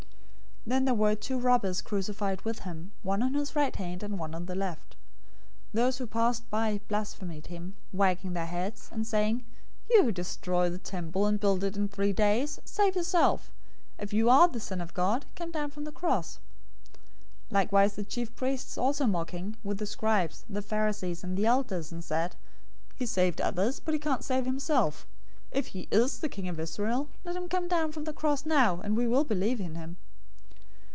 027:038 Then there were two robbers crucified with him, one on his right hand and one on the left. 027:039 Those who passed by blasphemed him, wagging their heads, 027:040 and saying, "You who destroy the temple, and build it in three days, save yourself! If you are the Son of God, come down from the cross!" 027:041 Likewise the chief priests also mocking, with the scribes, the Pharisees,{TR omits "the Pharisees"} and the elders, said, 027:042 "He saved others, but he can't save himself. If he is the King of Israel, let him come down from the cross now, and we will believe in him.